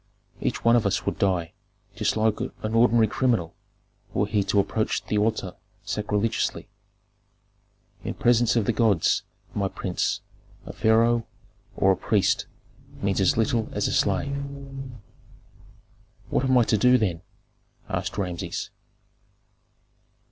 "Each one of us would die just like an ordinary criminal were he to approach the altar sacrilegiously. In presence of the gods, my prince, a pharaoh or a priest means as little as a slave." "What am I to do, then?" asked Rameses.